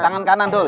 tangan kanan dul